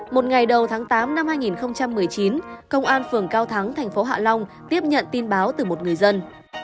một ngày đầu tháng tám năm hai nghìn một mươi chín công an phường cao thắng thành phố hạ long tiếp nhận tin báo từ một người dân